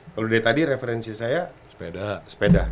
kalau dari tadi referensi saya sepeda